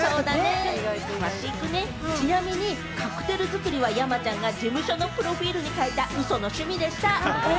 ちなみにカクテル作りは山ちゃんが事務所のプロフィルに書いたウソの趣味でした。